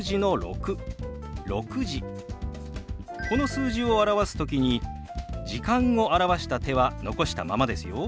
この数字を表す時に「時間」を表した手は残したままですよ。